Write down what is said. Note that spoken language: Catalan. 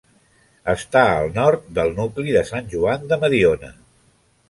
Està al nord del nucli de Sant Joan de Mediona.